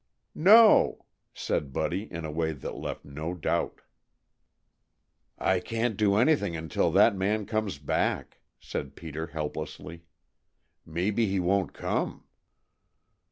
"No!" said Buddy in a way that left no doubt. "I can't do anything until that man comes back," said Peter helplessly. "Maybe he won't come."